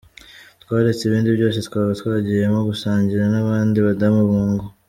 twaretse ibindi byose twaba twagiyemo gusangira n’abandi badamu mungo.